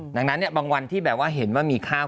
ดังนั้นบางวันที่แบบว่าเห็นว่ามีข้าว